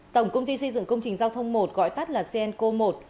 tổng công ty xây dựng công trình giao thông một gọi tắt là cnco một